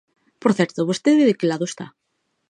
Por certo, vostede ¿de que lado está?